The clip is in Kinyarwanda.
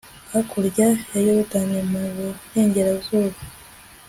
hakurya ya yorudani, mu burengerazuba